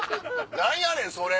何やねんそれ！